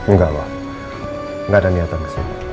nggak pak nggak ada niatan kesini